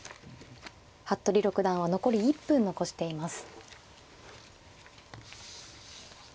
服部六段は残り１分残しています。